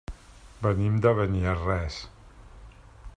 Venim de Beniarrés.